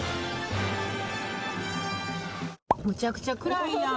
むちゃくちゃ暗いやん。